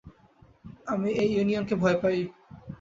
আমি এই ইউনিয়ন কে ভয় পাই।